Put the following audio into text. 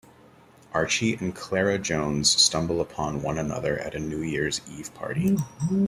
Archie and Clara Jones stumble upon one another at a New Year's Eve party.